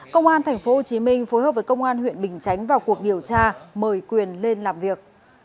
công an tp hcm phối hợp với công an huyện bình chánh vào cuộc điều tra mời quyền lên làm việc